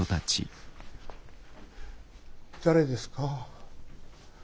誰ですか？